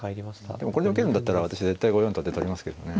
でもこれで受けるんだったら私絶対５四とって取りますけどね。